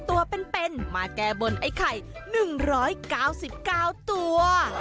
ตัวเป็นมาแก้บนไอ้ไข่หนึ่งร้อยเก้าสิบเก้าตัว